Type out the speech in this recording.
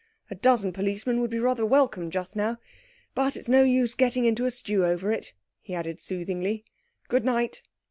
A dozen policemen would be rather welcome just now. But it's no use getting into a stew over it," he added soothingly. "Good night."